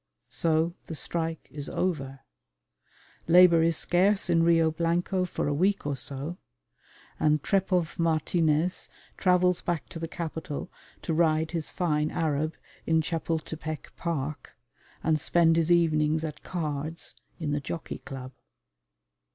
So the strike is over: labour is scarce in Rio Blanco for a week or so; and Trepoff Martinez travels back to the capital to ride his fine Arab in Chapultepec Park and spend his evenings at cards in the Jockey Club.